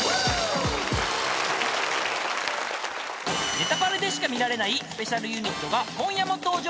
［『ネタパレ』でしか見られないスペシャルユニットが今夜も登場］